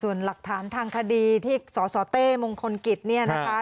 ส่วนหลักฐานทางคดีที่สสเต้มงคลกิจเนี่ยนะคะ